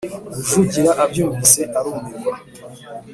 rujugira abyumvise arumirwa.